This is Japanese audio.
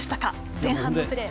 前半のプレー。